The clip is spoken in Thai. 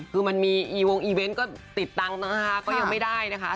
คือมันมีอีวงอีเวนต์ก็ติดตังค์นะคะก็ยังไม่ได้นะคะ